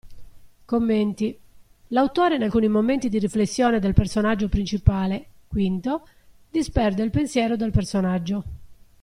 Commenti: L'autore in alcuni momenti di riflessione del personaggio principale (Quinto) disperde il pensiero del personaggio.